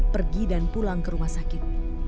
pergi dan pulang ke rumah sakit